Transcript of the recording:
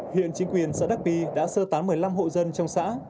hiện chính quyền xã đắc bi đã sơ tán một mươi năm hộ dân trong xã